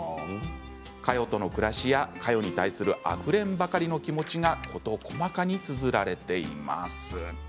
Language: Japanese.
カヨとの暮らしやカヨに対するあふれんばかりの気持ちが事細かにつづられています。